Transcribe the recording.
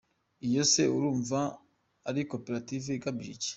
Iyo se urumva ari koperative igamije iki ?”.